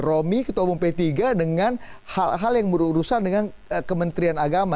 romi ketua umum p tiga dengan hal hal yang berurusan dengan kementerian agama